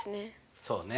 そうね。